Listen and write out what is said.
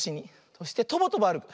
そしてとぼとぼあるく。